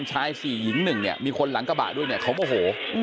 ชายสี่หญิงหนึ่งเนี้ยมีคนหลังกระบะด้วยเนี้ยเขาโอ้โห